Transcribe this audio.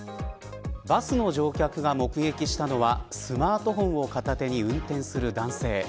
バスの乗客が目撃したのはスマートフォンを片手に運転する男性。